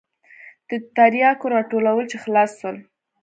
د ترياکو راټولول چې خلاص سول.